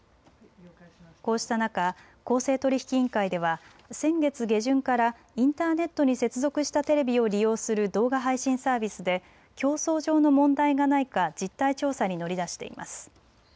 こうした中、公正取引委員会では先月下旬からインターネットに接続したテレビを利用する動画配信サービスで競争上の問題がないか実態調査に乗り出しています。